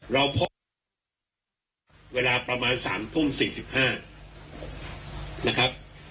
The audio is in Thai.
เราพบเวลาประมาณ๓ทุ่ม๔๕นะครับ